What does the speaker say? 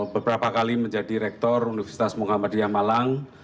beberapa kali menjadi rektor universitas muhammadiyah malang